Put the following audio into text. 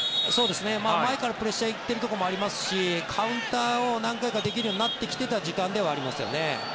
前からプレッシャーに行っているところもありますしカウンターを何回かできるようになっていた時間帯ではありますよね。